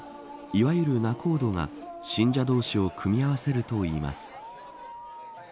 いわゆる仲人が、信者同士を組み合わせるといいます。